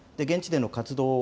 現地での活動